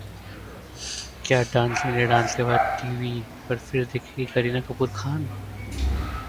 क्या dance India dance के बाद टीवी पर फिर दिखेंगी करीना कपूर खान?